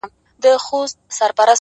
• د ژوند كولو د ريښتني انځور؛